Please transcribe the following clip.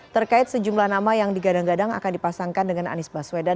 terkait sejumlah nama yang digadang gadang akan dipasangkan dengan anies baswedan